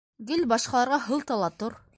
Гел башҡаларға һылта ла тор!